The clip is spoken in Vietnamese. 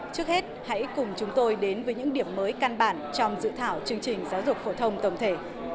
trước hết hãy cùng chúng tôi đến với những điểm mới căn bản trong dự thảo chương trình giáo dục phổ thông tổng thể